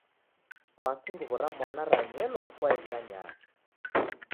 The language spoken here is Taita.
Kwakii nguw'o ra mwana ranyelwa mukoaeni ainyaa?